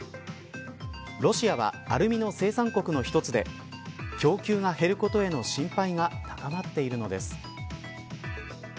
ロシアはアルミの生産国の１つで供給が減ることへの心配が高まっているのです。